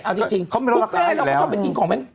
เอาจริงบุฟเฟ่เราไม่ต้องไปกินของแม่ง